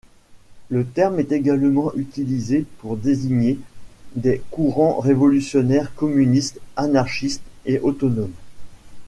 Le terme est généralement utilisé pour désigner des courants révolutionnaires communistes, anarchistes, ou autonomes.